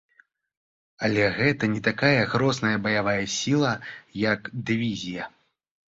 Але гэта не такая грозная баявая сіла, як дывізія.